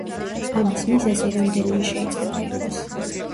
ამის მიზეზი რამდენიმე შეიძლება იყოს.